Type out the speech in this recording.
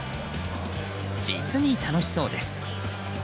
実に楽しそうです。